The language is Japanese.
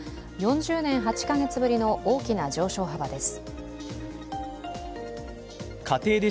４０年８か月ぶりの大きな上昇幅です